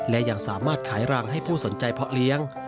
และยังสามารถขายรังให้ผู้สนใจเพาะเลี้ยง